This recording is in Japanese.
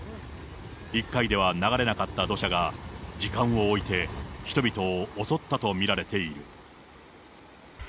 １回では流れなかった土砂が、時間を置いて人々を襲ったと見られている。